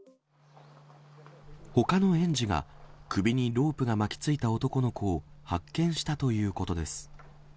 ほかの園児が首にロープが巻きついた男の子を発見したということです。